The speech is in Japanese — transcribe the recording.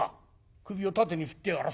首を縦に振ってやら。